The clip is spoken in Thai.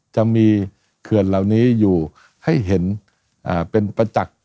จะมีเขื่อนเหล่านี้อยู่ให้เห็นเป็นประจักษ์